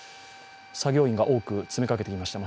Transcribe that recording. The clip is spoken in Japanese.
作業員が多く詰めかけていました。